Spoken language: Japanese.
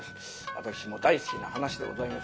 私も大好きな噺でございます。